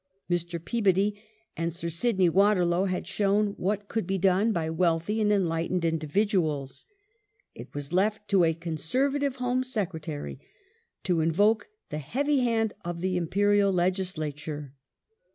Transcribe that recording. Ml'. Peabody and Sir Sydney Waterlow had shown what could be done by wealthy and enlightened individuals. It was left to a Conservative Home Secretary to invoke the heavy hand of the Imperial Legislature.